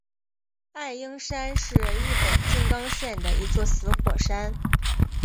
爱鹰山是日本静冈县的一座死火山。